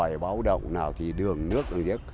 nào được báo đồng nào thì đường nước